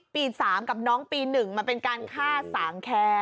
๓กับน้องปี๑มันเป็นการฆ่าสางแค้น